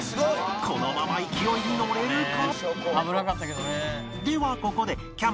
このまま勢いにのれるか？